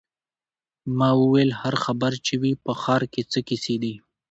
ما وویل: هر خبر چې وي، په ښار کې څه کیسې دي.